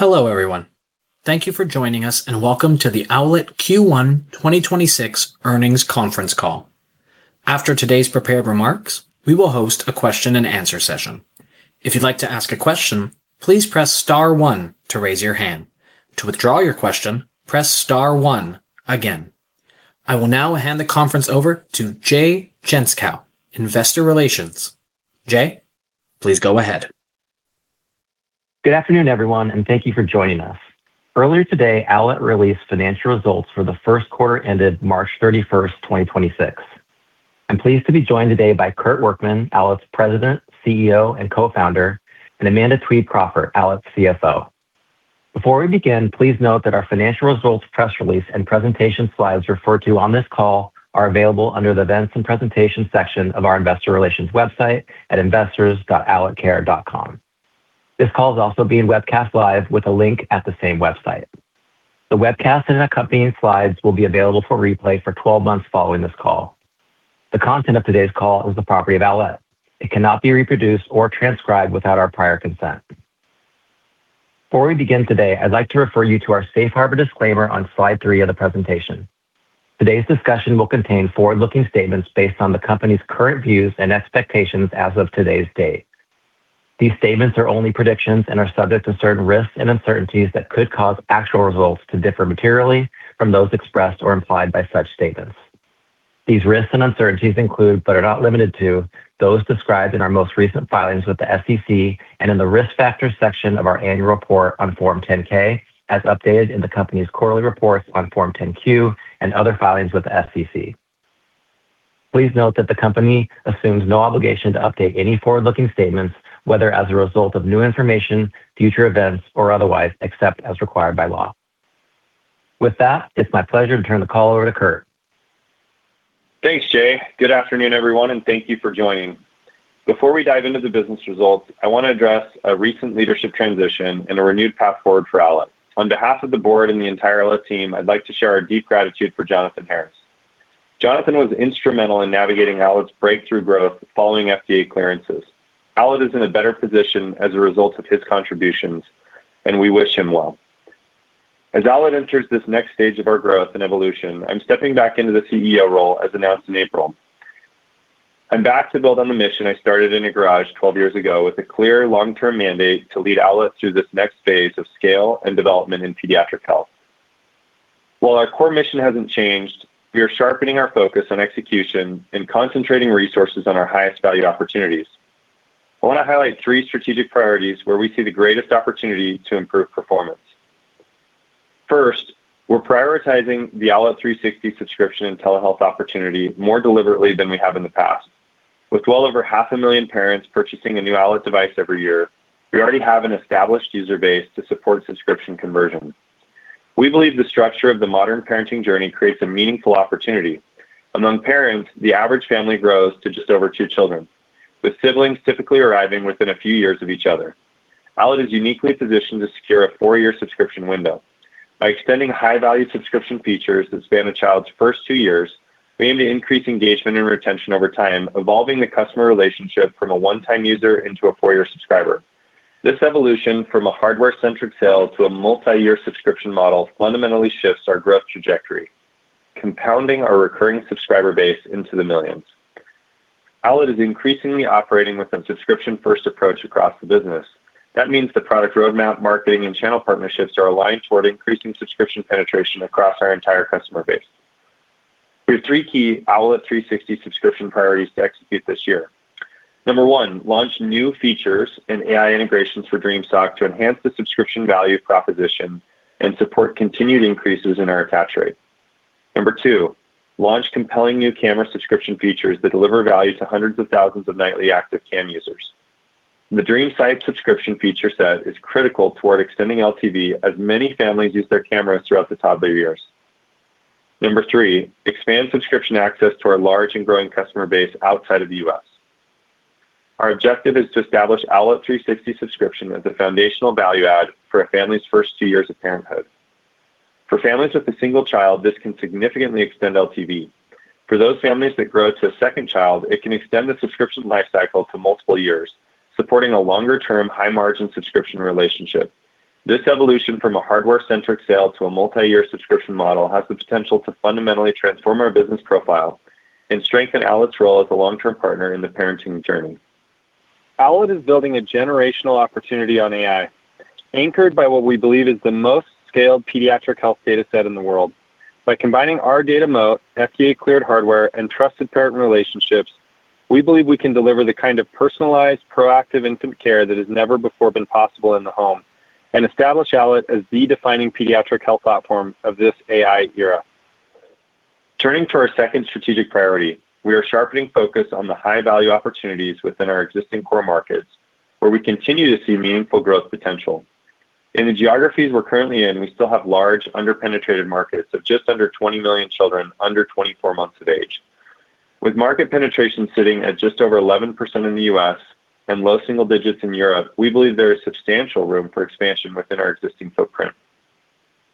Hello, everyone. Thank you for joining us and welcome to the Owlet Q1 2026 earnings conference call. After today's prepared remarks, we will host a question and answer session. If you'd like to ask a question, please press star one to raise your hand. To withdraw your question, press star one again. I will now hand the conference over to Jay Gentzkow, Investor Relations. Jay, please go ahead. Good afternoon, everyone, thank you for joining us. Earlier today, Owlet released financial results for the first quarter ended March 31st, 2026. I'm pleased to be joined today by Kurt Workman, Owlet's President, CEO, and Co-founder, and Amanda Twede Crawford, Owlet's CFO. Before we begin, please note that our financial results press release and presentation slides referred to on this call are available under the Events and Presentation section of our investor relations website at investors.owletcare.com. This call is also being webcast live with a link at the same website. The webcast and accompanying slides will be available for replay for 12 months following this call. The content of today's call is the property of Owlet. It cannot be reproduced or transcribed without our prior consent. Before we begin today, I'd like to refer you to our safe harbor disclaimer on slide three of the presentation. Today's discussion will contain forward-looking statements based on the company's current views and expectations as of today's date. These statements are only predictions and are subject to certain risks and uncertainties that could cause actual results to differ materially from those expressed or implied by such statements. These risks and uncertainties include, but are not limited to, those described in our most recent filings with the SEC and in the Risk Factors section of our annual report on Form 10-K, as updated in the company's quarterly reports on Form 10-Q and other filings with the SEC. Please note that the company assumes no obligation to update any forward-looking statements, whether as a result of new information, future events, or otherwise, except as required by law. With that, it's my pleasure to turn the call over to Kurt. Thanks, Jay. Good afternoon, everyone, thank you for joining. Before we dive into the business results, I want to address a recent leadership transition and a renewed path forward for Owlet. On behalf of the board and the entire Owlet team, I'd like to share our deep gratitude for Jonathan Harris. Jonathan was instrumental in navigating Owlet's breakthrough growth following FDA clearances. Owlet is in a better position as a result of his contributions, and we wish him well. As Owlet enters this next stage of our growth and evolution, I'm stepping back into the CEO role as announced in April. I'm back to build on the mission I started in a garage 12 years ago with a clear long-term mandate to lead Owlet through this next phase of scale and development in pediatric health. While our core mission hasn't changed, we are sharpening our focus on execution and concentrating resources on our highest valued opportunities. I want to highlight three strategic priorities where we see the greatest opportunity to improve performance. First, we're prioritizing the Owlet360 subscription and telehealth opportunity more deliberately than we have in the past. With well over 500,000 parents purchasing a new Owlet device every year, we already have an established user base to support subscription conversion. We believe the structure of the modern parenting journey creates a meaningful opportunity. Among parents, the average family grows to just over two children, with siblings typically arriving within a few years of each other. Owlet is uniquely positioned to secure a four-year subscription window. By extending high-value subscription features that span a child's first two years, we aim to increase engagement and retention over time, evolving the customer relationship from a one-time user into a four-year subscriber. This evolution from a hardware-centric sale to a multi-year subscription model fundamentally shifts our growth trajectory, compounding our recurring subscriber base into the millions. Owlet is increasingly operating with a subscription-first approach across the business. That means the product roadmap, marketing, and channel partnerships are aligned toward increasing subscription penetration across our entire customer base. Here are three-key Owlet360 subscription priorities to execute this year. Number one, launch new features and AI integrations for Dream Sock to enhance the subscription value proposition and support continued increases in our attach rate. Number two, launch compelling new camera subscription features that deliver value to hundreds of thousands of nightly active Cam users. The Dream Sight subscription feature set is critical toward extending LTV as many families use their cameras throughout the toddler years. Number three, expand subscription access to our large and growing customer base outside of the U.S. Our objective is to establish Owlet360 subscription as a foundational value add for a family's first two years of parenthood. For families with a single child, this can significantly extend LTV. For those families that grow to a second child, it can extend the subscription life cycle to multiple years, supporting a longer-term, high-margin subscription relationship. This evolution from a hardware-centric sale to a multi-year subscription model has the potential to fundamentally transform our business profile and strengthen Owlet's role as a long-term partner in the parenting journey. Owlet is building a generational opportunity on AI, anchored by what we believe is the most scaled pediatric health data set in the world. By combining our data moat, FDA-cleared hardware, and trusted parent relationships, we believe we can deliver the kind of personalized, proactive infant care that has never before been possible in the home and establish Owlet as the defining pediatric health platform of this AI era. Turning to our second strategic priority, we are sharpening focus on the high-value opportunities within our existing core markets, where we continue to see meaningful growth potential. In the geographies we're currently in, we still have large, under-penetrated markets of just under 20 million children under 24 months of age. With market penetration sitting at just over 11% in the U.S. and low single digits in Europe, we believe there is substantial room for expansion within our existing footprint.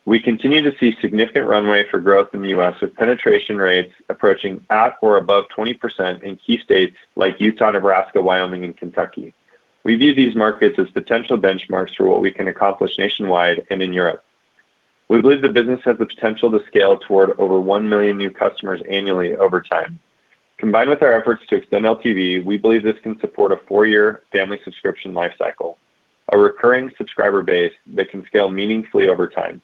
We continue to see significant runway for growth in the U.S. with penetration rates approaching at or above 20% in key states like Utah, Nebraska, Wyoming, and Kentucky. We view these markets as potential benchmarks for what we can accomplish nationwide and in Europe. We believe the business has the potential to scale toward over one million new customers annually over time. Combined with our efforts to extend LTV, we believe this can support a four-year family subscription lifecycle, a recurring subscriber base that can scale meaningfully over time.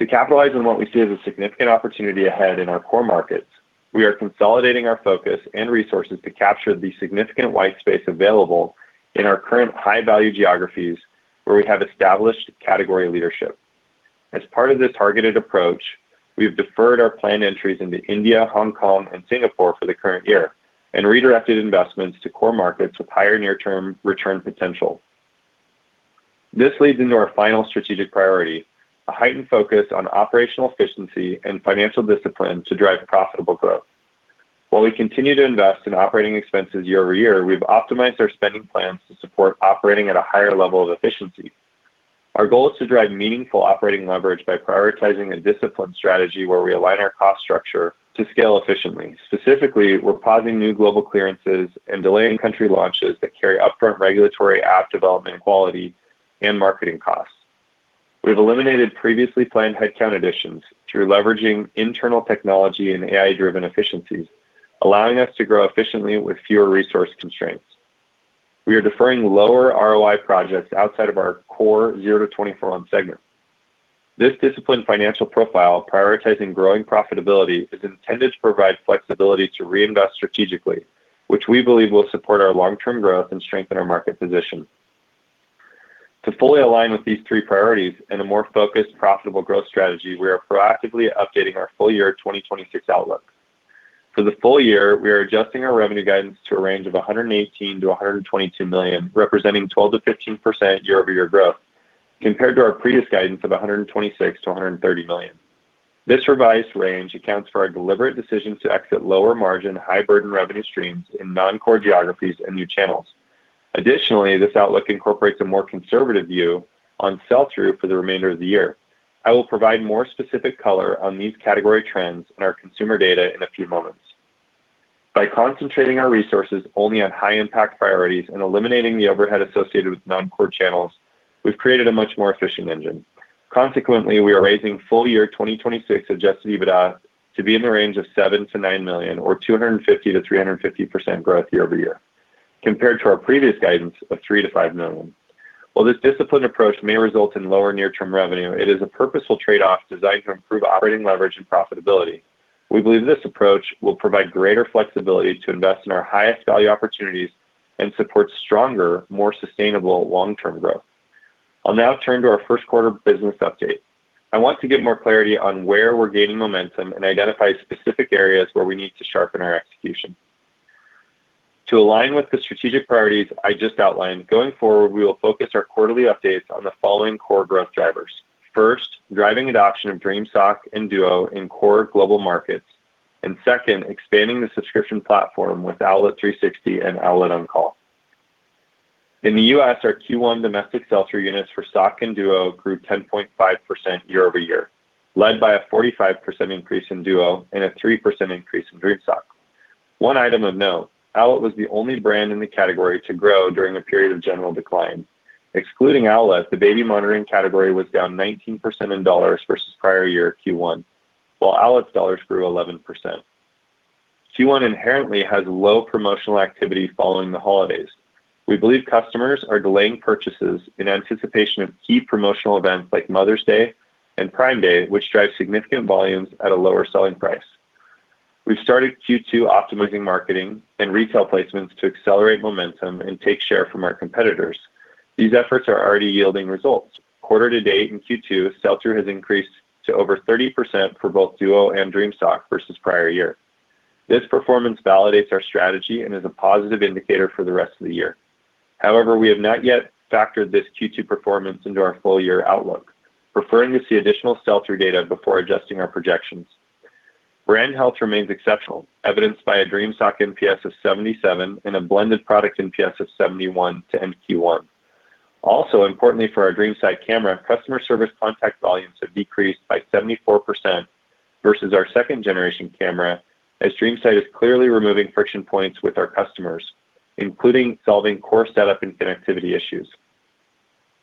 To capitalize on what we see as a significant opportunity ahead in our core markets, we are consolidating our focus and resources to capture the significant white space available in our current high-value geographies where we have established category leadership. As part of this targeted approach, we have deferred our planned entries into India, Hong Kong, and Singapore for the current year and redirected investments to core markets with higher near-term return potential. This leads into our final strategic priority, a heightened focus on operational efficiency and financial discipline to drive profitable growth. While we continue to invest in operating expenses year-over-year, we've optimized our spending plans to support operating at a higher level of efficiency. Our goal is to drive meaningful operating leverage by prioritizing a disciplined strategy where we align our cost structure to scale efficiently. Specifically, we're pausing new global clearances and delaying country launches that carry upfront regulatory app development quality and marketing costs. We've eliminated previously planned headcount additions through leveraging internal technology and AI-driven efficiencies, allowing us to grow efficiently with fewer resource constraints. We are deferring lower ROI projects outside of our core zero to 24-month segment. This disciplined financial profile prioritizing growing profitability is intended to provide flexibility to reinvest strategically, which we believe will support our long-term growth and strengthen our market position. To fully align with these three priorities and a more focused profitable growth strategy, we are proactively updating our full-year 2026 outlook. For the full year, we are adjusting our revenue guidance to a range of $118 million-$122 million, representing 12%-15% year-over-year growth, compared to our previous guidance of $126 million-$130 million. This revised range accounts for our deliberate decision to exit lower-margin, high-burden revenue streams in non-core geographies and new channels. Additionally, this outlook incorporates a more conservative view on sell-through for the remainder of the year. I will provide more specific color on these category trends and our consumer data in a few moments. By concentrating our resources only on high-impact priorities and eliminating the overhead associated with non-core channels, we've created a much more efficient engine. Consequently, we are raising full-year 2026 adjusted EBITDA to be in the range of $7 million-$9 million, or 250%-350% growth year-over-year, compared to our previous guidance of $3 million-$5 million. While this disciplined approach may result in lower near-term revenue, it is a purposeful trade-off designed to improve operating leverage and profitability. We believe this approach will provide greater flexibility to invest in our highest-value opportunities and support stronger, more sustainable long-term growth. I'll now turn to our first quarter business update. I want to give more clarity on where we're gaining momentum and identify specific areas where we need to sharpen our execution. To align with the strategic priorities I just outlined, going forward, we will focus our quarterly updates on the following core growth drivers. First, driving adoption of Dream Sock and Duo in core global markets. Second, expanding the subscription platform with Owlet360 and Owlet OnCall. In the U.S., our Q1 domestic sell-through units for Sock and Duo grew 10.5% year-over-year, led by a 45% increase in Duo and a 3% increase in Dream Sock. One item of note, Owlet was the only brand in the category to grow during a period of general decline. Excluding Owlet, the baby monitoring category was down 19% in dollars versus prior year Q1, while Owlet's dollars grew 11%. Q1 inherently has low promotional activity following the holidays. We believe customers are delaying purchases in anticipation of key promotional events like Mother's Day and Prime Day, which drive significant volumes at a lower selling price. We've started Q2 optimizing marketing and retail placements to accelerate momentum and take share from our competitors. These efforts are already yielding results. Quarter-to-date in Q2, sell-through has increased to over 30% for both Duo and Dream Sock versus prior year. This performance validates our strategy and is a positive indicator for the rest of the year. However, we have not yet factored this Q2 performance into our full-year outlook, preferring to see additional sell-through data before adjusting our projections. Brand health remains exceptional, evidenced by a Dream Sock NPS of 77% and a blended product NPS of 71% to end Q1. Also, importantly for our Dream Sight camera, customer service contact volumes have decreased by 74% versus our second-generation camera as Dream Sight is clearly removing friction points with our customers, including solving core setup and connectivity issues.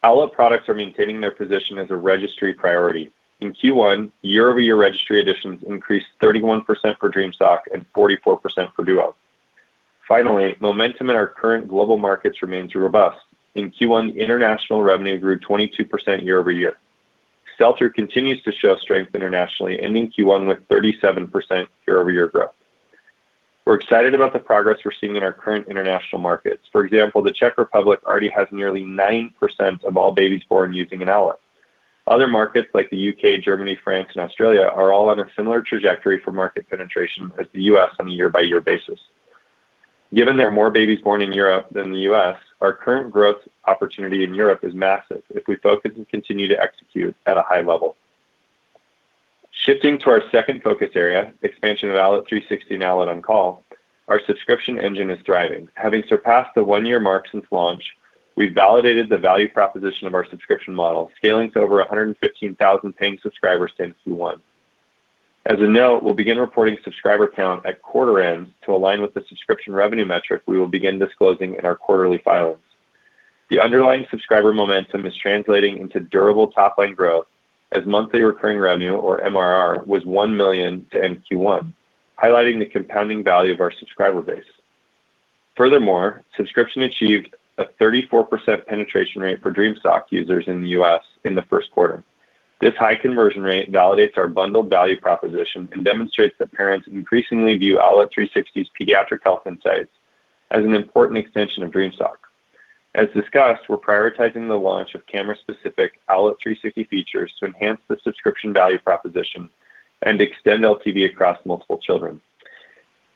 Owlet products are maintaining their position as a registry priority. In Q1, year-over-year registry additions increased 31% for Dream Sock and 44% for Duo. Finally, momentum in our current global markets remains robust. In Q1, international revenue grew 22% year-over-year. Sell-through continues to show strength internationally, ending Q1 with 37% year-over-year growth. We're excited about the progress we're seeing in our current international markets. For example, the Czech Republic already has nearly 9% of all babies born using an Owlet. Other markets like the U.K., Germany, France, and Australia are all on a similar trajectory for market penetration as the U.S. on a year-by-year basis. Given there are more babies born in Europe than the U.S., our current growth opportunity in Europe is massive if we focus and continue to execute at a high level. Shifting to our second focus area, expansion of Owlet360 and Owlet OnCall, our subscription engine is thriving. Having surpassed the one-year mark since launch, we've validated the value proposition of our subscription model, scaling to over 115,000 paying subscribers since Q1. As a note, we'll begin reporting subscriber count at quarter end to align with the subscription revenue metric we will begin disclosing in our quarterly filings. The underlying subscriber momentum is translating into durable top-line growth as monthly recurring revenue, or MRR, was $1 million to end Q1, highlighting the compounding value of our subscriber base. Furthermore, subscription achieved a 34% penetration rate for Dream Sock users in the U.S. in the first quarter. This high conversion rate validates our bundled value proposition and demonstrates that parents increasingly view Owlet360's pediatric health insights as an important extension of Dream Sock. As discussed, we're prioritizing the launch of camera-specific Owlet360 features to enhance the subscription value proposition and extend LTV across multiple children.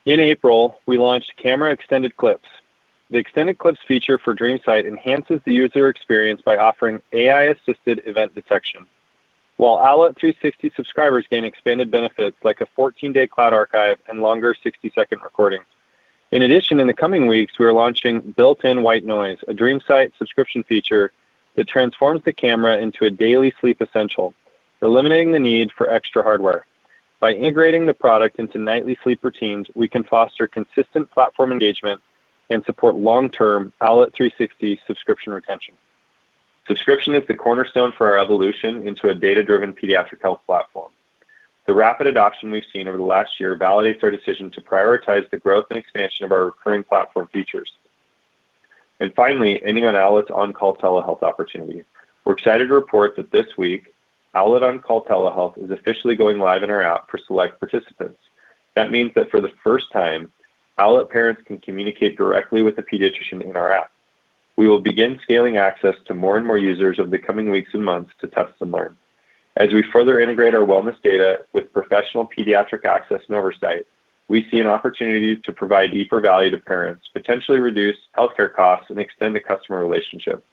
In April, we launched camera extended clips. The extended clips feature for Dream Sight enhances the user experience by offering AI-assisted event detection, while Owlet360 subscribers gain expanded benefits like a 14-day cloud archive and longer 60-second recordings. In addition, in the coming weeks, we are launching built-in white noise, a Dream Sight subscription feature that transforms the camera into a daily sleep essential, eliminating the need for extra hardware. By integrating the product into nightly sleep routines, we can foster consistent platform engagement and support long-term Owlet360 subscription retention. Subscription is the cornerstone for our evolution into a data-driven pediatric health platform. The rapid adoption we've seen over the last year validates our decision to prioritize the growth and expansion of our recurring platform features. Finally, ending on Owlet OnCall telehealth opportunity. We're excited to report that this week Owlet OnCall telehealth is officially going live in our app for select participants. That means that for the first time, Owlet parents can communicate directly with a pediatrician in our app. We will begin scaling access to more and more users over the coming weeks and months to test and learn. As we further integrate our wellness data with professional pediatric access and oversight, we see an opportunity to provide deeper value to parents, potentially reduce healthcare costs, and extend the customer relationship.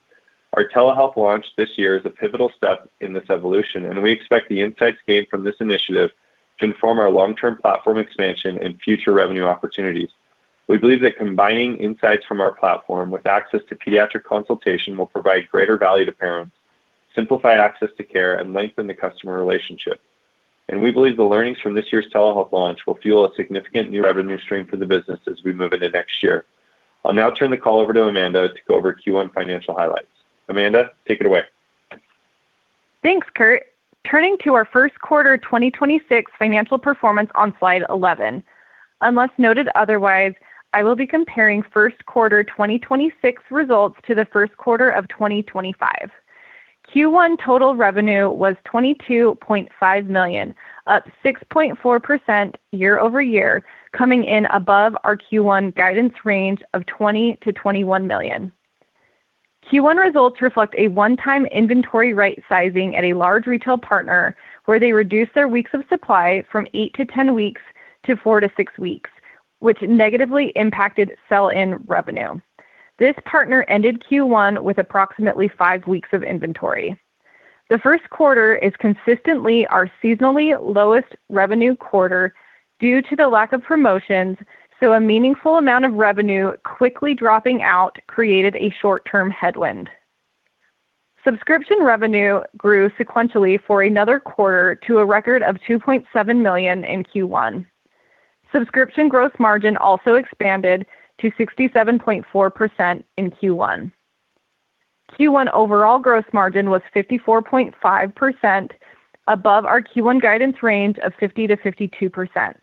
Our telehealth launch this year is a pivotal step in this evolution, and we expect the insights gained from this initiative to inform our long-term platform expansion and future revenue opportunities. We believe that combining insights from our platform with access to pediatric consultation will provide greater value to parents, simplify access to care, and lengthen the customer relationship. We believe the learnings from this year's telehealth launch will fuel a significant new revenue stream for the business as we move into next year. I'll now turn the call over to Amanda to go over Q1 financial highlights. Amanda, take it away. Thanks, Kurt. Turning to our first quarter 2026 financial performance on slide 11. Unless noted otherwise, I will be comparing first quarter 2026 results to the first quarter of 2025. Q1 total revenue was $22.5 million, up 6.4% year-over-year, coming in above our Q1 guidance range of $20 million-$21 million. Q1 results reflect a one-time inventory right sizing at a large retail partner where they reduced their weeks of supply from 8-10 weeks to 4-6 weeks, which negatively impacted sell-in revenue. This partner ended Q1 with approximately five weeks of inventory. The first quarter is consistently our seasonally lowest revenue quarter due to the lack of promotions, so a meaningful amount of revenue quickly dropping out created a short-term headwind. Subscription revenue grew sequentially for another quarter to a record of $2.7 million in Q1. Subscription gross margin also expanded to 67.4% in Q1. Q1 overall gross margin was 54.5% above our Q1 guidance range of 50%-52%.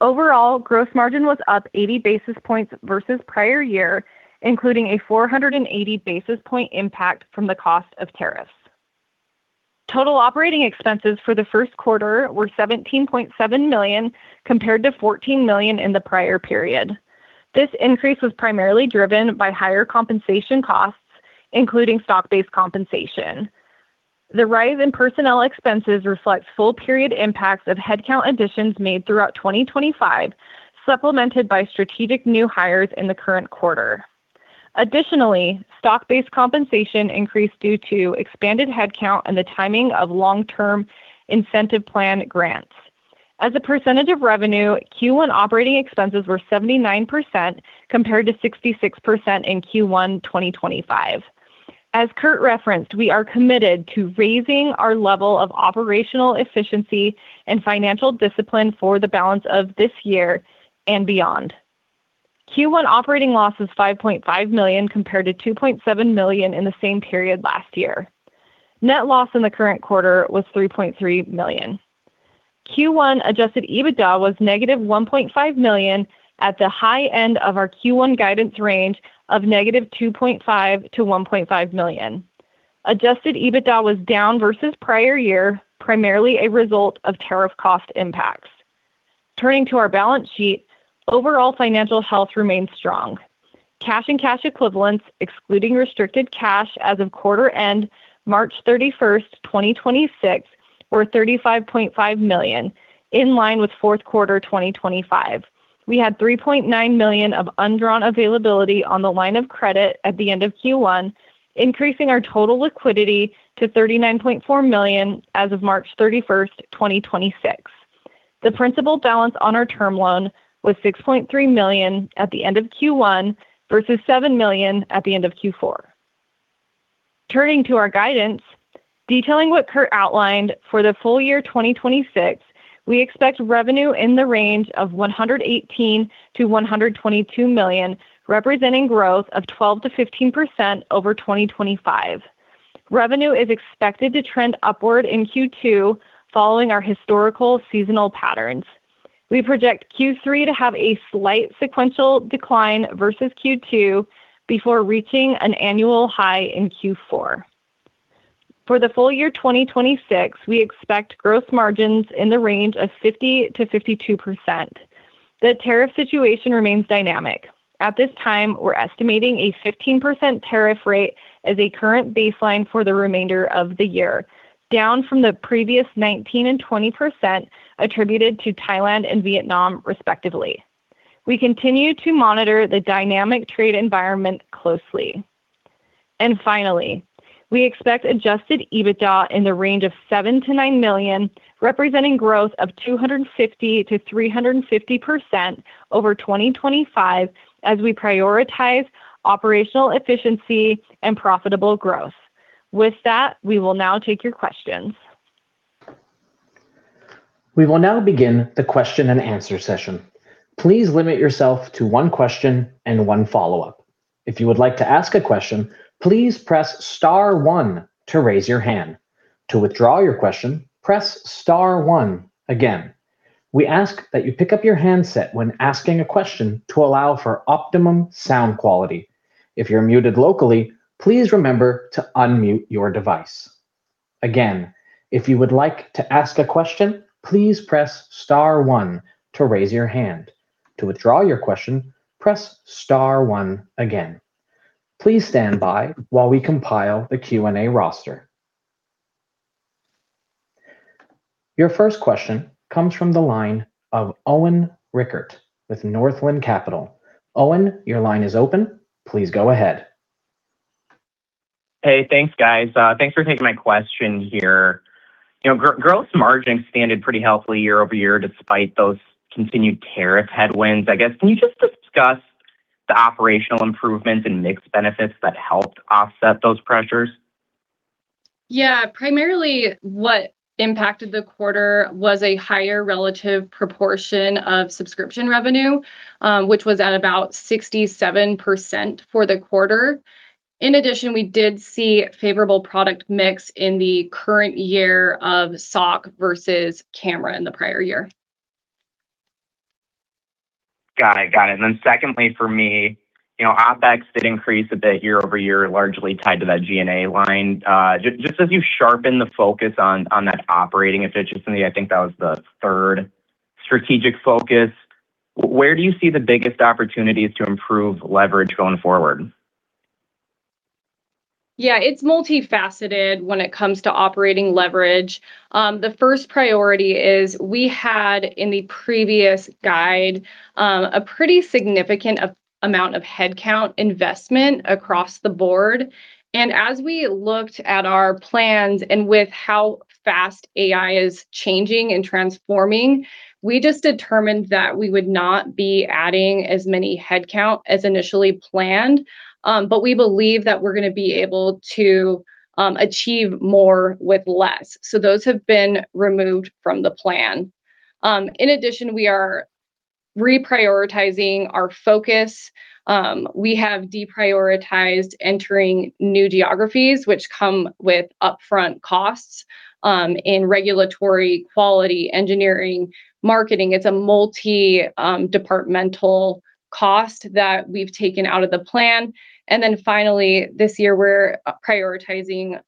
Overall, gross margin was up 80 basis points versus prior year, including a 480 basis point impact from the cost of tariffs. Total operating expenses for the first quarter were $17.7 million compared to $14 million in the prior period. This increase was primarily driven by higher compensation costs, including stock-based compensation. The rise in personnel expenses reflect full period impacts of headcount additions made throughout 2025, supplemented by strategic new hires in the current quarter. Additionally, stock-based compensation increased due to expanded headcount and the timing of long-term incentive plan grants. As a percentage of revenue, Q1 operating expenses were 79% compared to 66% in Q1 2025. As Kurt referenced, we are committed to raising our level of operational efficiency and financial discipline for the balance of this year and beyond. Q1 operating loss is $5.5 million compared to $2.7 million in the same period last year. Net loss in the current quarter was $3.3 million. Q1 adjusted EBITDA was -$1.5 million at the high end of our Q1 guidance range of -$2.5 million to -$1.5 million. Adjusted EBITDA was down versus prior year, primarily a result of tariff cost impacts. Turning to our balance sheet, overall financial health remains strong. Cash and cash equivalents, excluding restricted cash as of quarter end March 31st, 2026, were $35.5 million, in line with fourth quarter 2025. We had $3.9 million of undrawn availability on the line of credit at the end of Q1, increasing our total liquidity to $39.4 million as of March 31st, 2026. The principal balance on our term loan was $6.3 million at the end of Q1 versus $7 million at the end of Q4. Turning to our guidance, detailing what Kurt outlined for the full year 2026, we expect revenue in the range of $118 million-$122 million, representing growth of 12%-15% over 2025. Revenue is expected to trend upward in Q2 following our historical seasonal patterns. We project Q3 to have a slight sequential decline versus Q2 before reaching an annual high in Q4. For the full year 2026, we expect gross margins in the range of 50%-52%. The tariff situation remains dynamic. At this time, we're estimating a 15% tariff rate as a current baseline for the remainder of the year, down from the previous 19% and 20% attributed to Thailand and Vietnam, respectively. We continue to monitor the dynamic trade environment closely. Finally, we expect adjusted EBITDA in the range of $7 million-$9 million, representing growth of 250%-350% over 2025 as we prioritize operational efficiency and profitable growth. With that, we will now take your questions. We will now begin the question and answer session. Please limit yourself to one question and one follow-up. If you would like to ask a question, please press star one to raise your hand. To withdraw your question, press star one again. We ask that you pick up your handset when asking a question to allow for optimum sound quality. If you're muted locally, please remember to unmute your device. Again, if you would like to ask a question, please press star one to raise your hand. To withdraw your question, press star one again. Please stand by while we compile the Q&A roster. Your first question comes from the line of Owen Rickert with Northland Capital Markets. Owen, your line is open. Please go ahead. Hey, thanks, guys. Thanks for taking my question here. You know, gross margin expanded pretty healthily year-over-year despite those continued tariff headwinds. I guess, can you just discuss the operational improvements and mixed benefits that helped offset those pressures? Yeah. Primarily what impacted the quarter was a higher relative proportion of subscription revenue, which was at about 67% for the quarter. We did see favorable product mix in the current year of Sock versus Cam in the prior year. Got it. Got it. Secondly for me, you know, OpEx did increase a bit year-over-year, largely tied to that G&A line. just as you sharpen the focus on that operating efficiency, I think that was the third strategic focus, where do you see the biggest opportunities to improve leverage going forward? Yeah. It's multifaceted when it comes to operating leverage. The first priority is we had, in the previous guide, a pretty significant amount of headcount investment across the board. As we looked at our plans and with how fast AI is changing and transforming, we just determined that we would not be adding as many headcount as initially planned. We believe that we're gonna be able to achieve more with less. Those have been removed from the plan. In addition, we are reprioritizing our focus. We have deprioritized entering new geographies, which come with upfront costs in regulatory quality engineering, marketing. It's a multi-departmental cost that we've taken out of the plan. Finally, this year we're prioritizing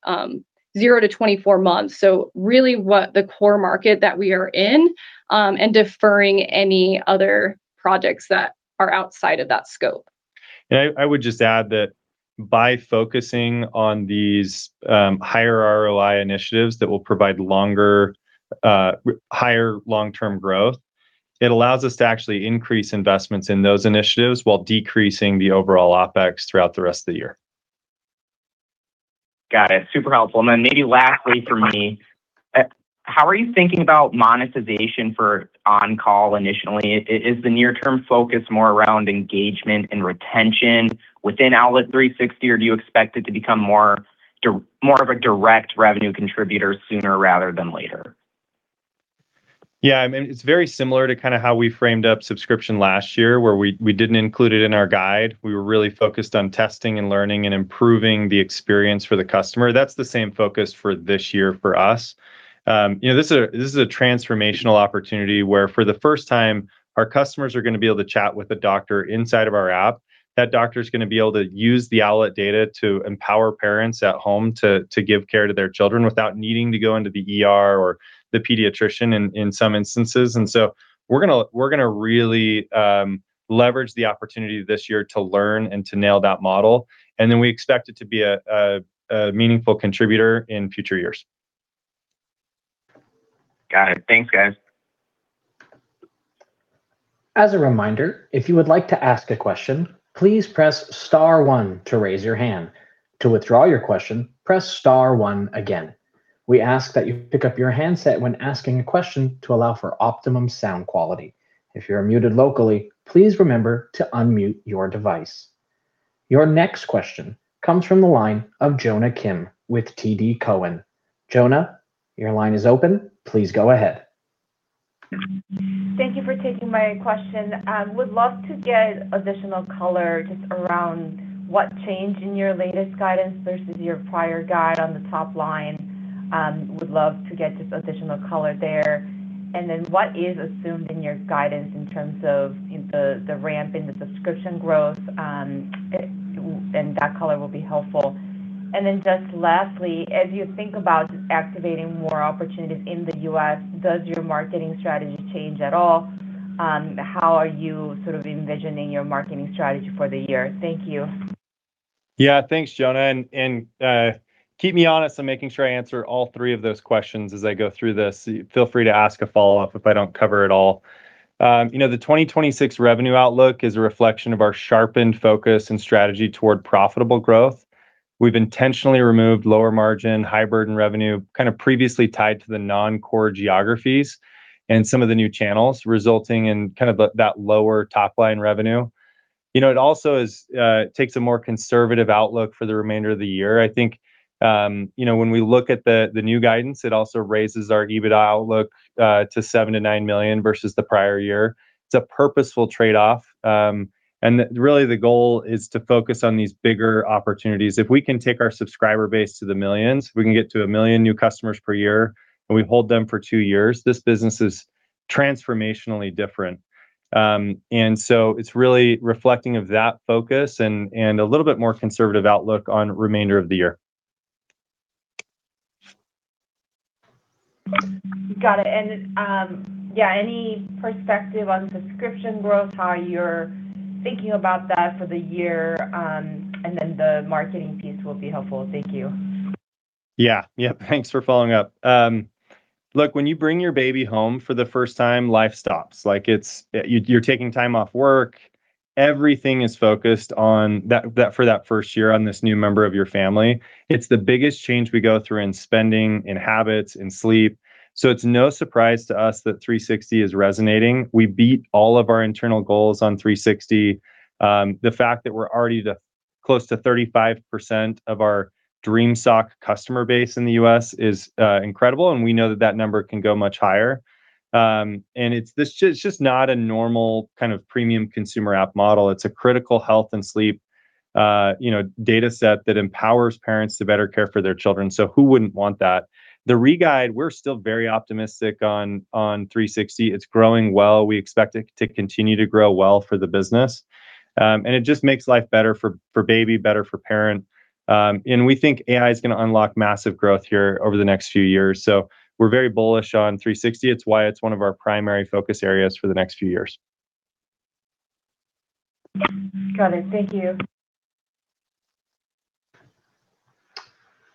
0-24 months. Really what the core market that we are in, and deferring any other projects that are outside of that scope. Yeah. I would just add that by focusing on these higher ROI initiatives that will provide longer, higher long-term growth, it allows us to actually increase investments in those initiatives while decreasing the overall OpEx throughout the rest of the year. Got it. Super helpful. Then maybe lastly for me, how are you thinking about monetization for OnCall initially? Is the near term focus more around engagement and retention within Owlet360, or do you expect it to become more of a direct revenue contributor sooner rather than later? Yeah. I mean, it's very similar to kind of how we framed up subscription last year, where we didn't include it in our guide. We were really focused on testing and learning and improving the experience for the customer. That's the same focus for this year for us. You know, this is a transformational opportunity where for the first time, our customers are going to be able to chat with a doctor inside of our app. That doctor's going to be able to use the Owlet data to empower parents at home to give care to their children without needing to go into the ER or the pediatrician in some instances. We're going to really leverage the opportunity this year to learn and to nail that model. We expect it to be a meaningful contributor in future years. Got it. Thanks, guys. Your next question comes from the line of Jonna Kim with TD Cowen. Jonna, your line is open. Please go ahead. Thank you for taking my question. Would love to get additional color just around what changed in your latest guidance versus your prior guide on the top line. Would love to get just additional color there. What is assumed in your guidance in terms of the ramp in the subscription growth? That color will be helpful. Just lastly, as you think about activating more opportunities in the U.S., does your marketing strategy change at all? How are you sort of envisioning your marketing strategy for the year? Thank you. Thanks, Jonna. Keep me honest on making sure I answer all three of those questions as I go through this. Feel free to ask a follow-up if I don't cover it all. You know, the 2026 revenue outlook is a reflection of our sharpened focus and strategy toward profitable growth. We've intentionally removed lower margin, high burden revenue previously tied to the non-core geographies and some of the new channels resulting in that lower top-line revenue. You know, it also takes a more conservative outlook for the remainder of the year. You know, when we look at the new guidance, it also raises our EBITDA outlook to $7 million-$9 million versus the prior year. It's a purposeful trade-off. Really the goal is to focus on these bigger opportunities. If we can take our subscriber base to the millions, if we can get to a million new customers per year and we hold them for two years, this business is transformationally different. It's really reflecting of that focus and a little bit more conservative outlook on remainder of the year. Got it. Yeah, any perspective on subscription growth, how you're thinking about that for the year, and then the marketing piece will be helpful. Thank you. Yeah. Yeah, thanks for following up. Look, when you bring your baby home for the first time, life stops. Like, you're taking time off work. Everything is focused on that for that first year on this new member of your family. It's the biggest change we go through in spending, in habits, in sleep. It's no surprise to us that Owlet360 is resonating. We beat all of our internal goals on Owlet360. The fact that we're already close to 35% of our Dream Sock customer base in the U.S. is incredible, and we know that that number can go much higher. It's just not a normal kind of premium consumer app model. It's a critical health and sleep, you know, data set that empowers parents to better care for their children. Who wouldn't want that? The re-guide, we're still very optimistic on Owlet360. It's growing well. We expect it to continue to grow well for the business. It just makes life better for baby, better for parent. We think AI is gonna unlock massive growth here over the next few years. We're very bullish on Owlet360. It's why it's one of our primary focus areas for the next few years. Got it. Thank you.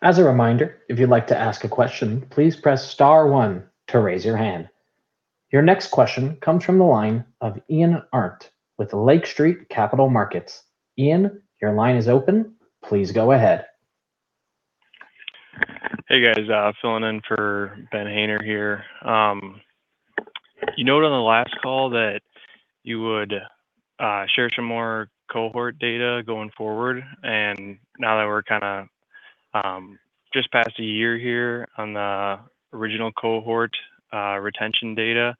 As a reminder, if you'd like to ask a question, please press star one to raise your hand. Your next question comes from the line of Ian Arnt with Lake Street Capital Markets. Ian, your line is open. Please go ahead. Hey, guys. Filling in for Ben Haynor here. You noted on the last call that you would share some more cohort data going forward. Now that we're kinda just past a year here on the original cohort, retention data,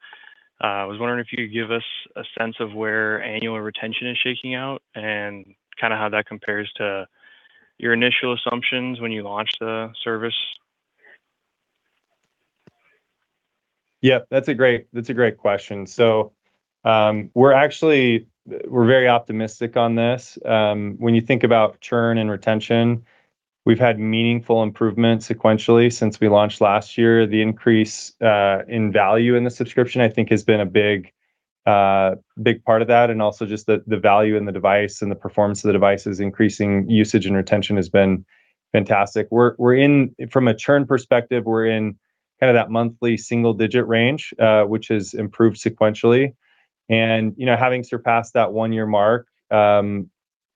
I was wondering if you could give us a sense of where annual retention is shaking out and kinda how that compares to your initial assumptions when you launched the service. Yeah, that's a great, that's a great question. We're actually, we're very optimistic on this. When you think about churn and retention, we've had meaningful improvement sequentially since we launched last year. The increase in value in the subscription, I think has been a big part of that. Also just the value in the device and the performance of the device is increasing. Usage and retention has been fantastic. From a churn perspective, we're in kind of that monthly single-digit range, which has improved sequentially. You know, having surpassed that one-year mark,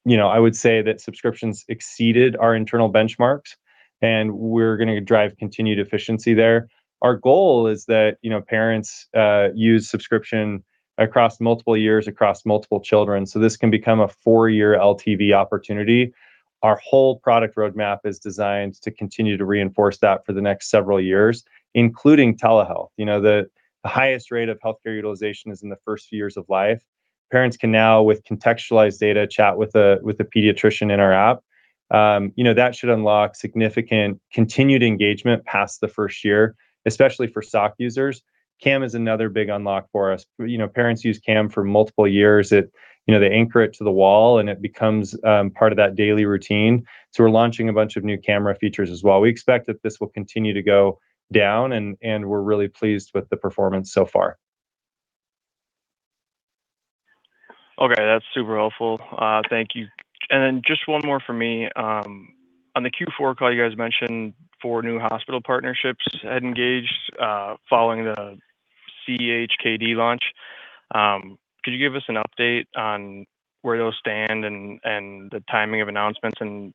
you know, I would say that subscriptions exceeded our internal benchmarks, and we're gonna drive continued efficiency there. Our goal is that, you know, parents use subscription across multiple years, across multiple children, so this can become a four-year LTV opportunity. Our whole product roadmap is designed to continue to reinforce that for the next several years, including telehealth. You know, the highest rate of healthcare utilization is in the first few years of life. Parents can now, with contextualized data, chat with a pediatrician in our app. You know, that should unlock significant continued engagement past the first year, especially for Sock users. Cam is another big unlock for us. You know, parents use Cam for multiple years. It, you know, they anchor it to the wall, and it becomes part of that daily routine. We're launching a bunch of new camera features as well. We expect that this will continue to go down, and we're really pleased with the performance so far. Okay, that's super helpful. Thank you. Then just one more for me. On the Q4 call, you guys mentioned four new hospital partnerships had engaged following the CHKD launch. Could you give us an update on where those stand and the timing of announcements and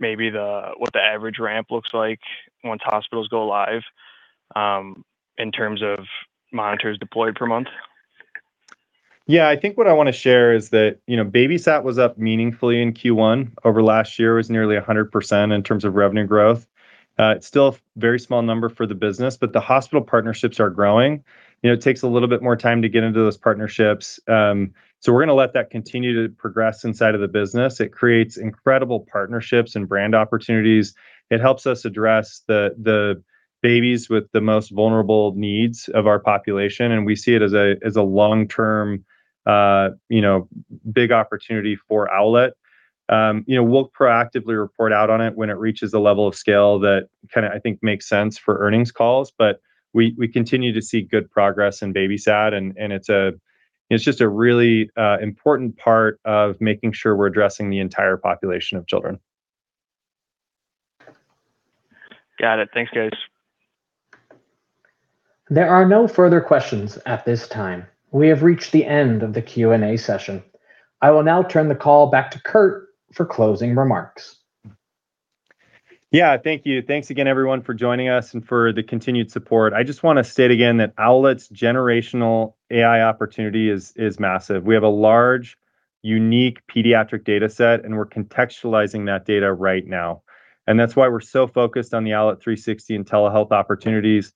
maybe what the average ramp looks like once hospitals go live in terms of monitors deployed per month? Yeah. I think what I wanna share is that, you know, BabySat was up meaningfully in Q1. Over last year, it was nearly 100% in terms of revenue growth. It's still a very small number for the business, the hospital partnerships are growing. You know, it takes a little bit more time to get into those partnerships. We're gonna let that continue to progress inside of the business. It creates incredible partnerships and brand opportunities. It helps us address the babies with the most vulnerable needs of our population, as a long-term, you know, big opportunity for Owlet. You know, we'll proactively report out on it when it reaches a level of scale that kinda, I think, makes sense for earnings calls. We continue to see good progress in BabySat, and you know, it's just a really important part of making sure we're addressing the entire population of children. Got it. Thanks, guys. There are no further questions at this time. We have reached the end of the Q&A session. I will now turn the call back to Kurt for closing remarks. Yeah. Thank you. Thanks again, everyone, for joining us and for the continued support. I just wanna state again that Owlet's generational AI opportunity is massive. We have a large, unique pediatric dataset, we're contextualizing that data right now. That's why we're so focused on the Owlet360 and telehealth opportunities.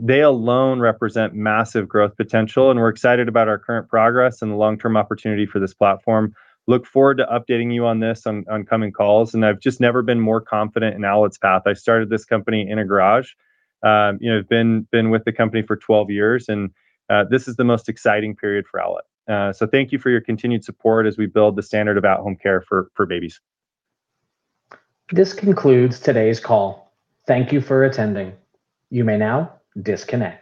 They alone represent massive growth potential, and we're excited about our current progress and the long-term opportunity for this platform. Look forward to updating you on this on coming calls, and I've just never been more confident in Owlet's path. I started this company in a garage. You know, been with the company for 12 years, and this is the most exciting period for Owlet. Thank you for your continued support as we build the standard of at-home care for babies. This concludes today's call. Thank you for attending. You may now disconnect.